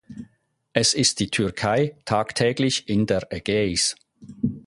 Es ist die Türkei tagtäglich in der Ägäis.